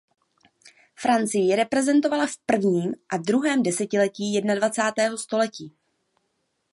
Francii reprezentovala v prvním a druhém desetiletí jednadvacátého století.